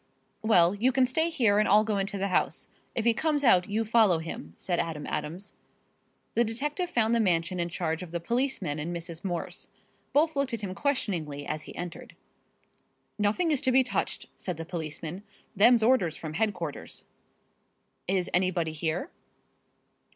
"Well, you can stay here and I'll go into the house. If he comes out you follow him," said Adam Adams. The detective found the mansion in charge of the policeman and Mrs. Morse. Both looked at him questioningly as he entered. "Nothing is to be touched," said the policeman. "Them's orders from headquarters." "Is anybody here?"